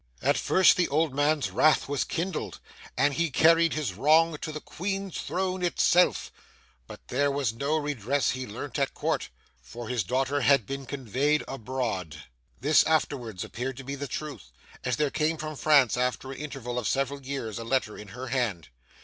At first the old man's wrath was kindled, and he carried his wrong to the Queen's throne itself; but there was no redress he learnt at Court, for his daughter had been conveyed abroad. This afterwards appeared to be the truth, as there came from France, after an interval of several years, a letter in her hand.